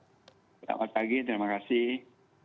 selamat pagi terima kasih